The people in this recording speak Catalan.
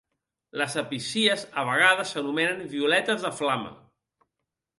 Les episcies a vegades s'anomenen "Violetes de flama".